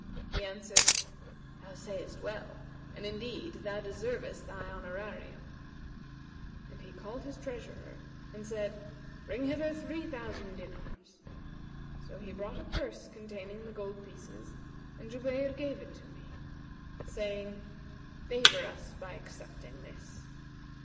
He answered, 'Thou sayest well, and indeed thou deservest thy honorarium;' and he called his treasurer, and said, 'Bring hither three thousand dinars.' So he brought a purse containing the gold pieces and Jubayr gave it to me, saying, 'Favour us by accepting this.'